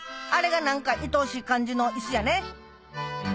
あれが何かいとおしい感じのイスやね」